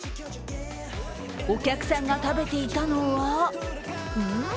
お客さんが食べていたのはん？